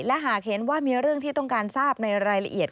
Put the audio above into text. และหากเห็นว่ามีเรื่องที่ต้องการทราบในรายละเอียด